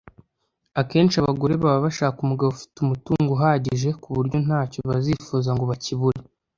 Akenshi abagore baba bashaka umugabo ufite umutungo uhagije ku buryo ntacyo bazifuza ngo bakibure